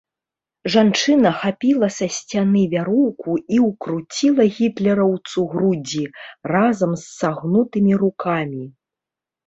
Жанчына хапіла са сцяны вяроўку і ўкруціла гітлераўцу грудзі, разам з сагнутымі рукамі.